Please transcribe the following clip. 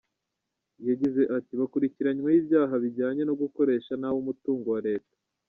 Yagize ati “Bakurikiranyweho ibyaha bijyanye no gukoresha nabi umutungo wa Leta.